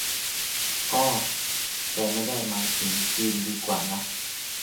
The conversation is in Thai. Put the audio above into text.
เอ้อ แต่ไม่ได้หมายถึงจีนดีกว่านะ